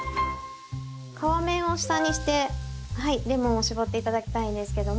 皮面を下にしてレモンを搾って頂きたいんですけども。